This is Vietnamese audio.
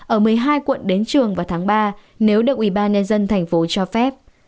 ở một mươi hai quận đến trường vào tháng ba nếu được ủy ban nhân dân thành phố cho phép